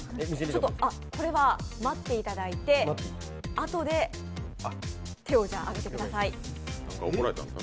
これは待っていただいてあとで手を上げてください。